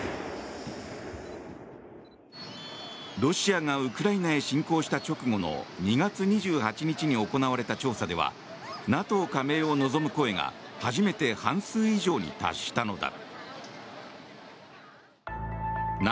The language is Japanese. ロシアがウクライナへ侵攻した直後の２月２８日に行われた調査ではＮＡＴＯ加盟を望む声が初めて半数以上に達したのだ。